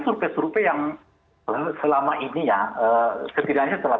suruh suruhnya yang selama ini ya setidaknya setelah